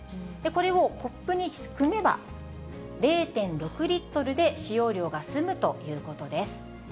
これをコップにくめば、０．６リットルで使用量が済むということです。